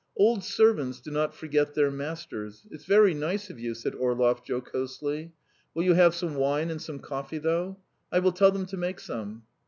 "Old servants do not forget their masters. ... It's very nice of you," said Orlov jocosely. "Will you have some wine and some coffee, though? I will tell them to make some."